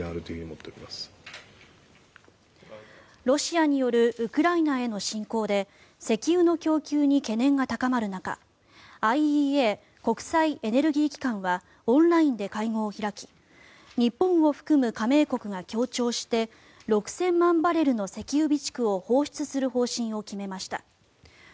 ロシアによるウクライナへの侵攻で石油の供給に懸念が高まる中ＩＥＡ・国際エネルギー機関はオンラインで会合を開き日本を含む加盟国が協調して６０００万バレルの石油備蓄を放出する方針を決めました。